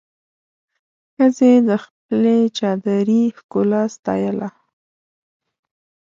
ښځې د خپلې چادري ښکلا ستایله.